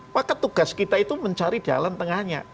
maka tugas kita itu mencari jalan tengahnya